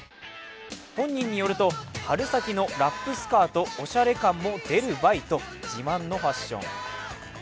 本人によると春先のラップスカート、おしゃれ感も出るバイと自慢のファッション。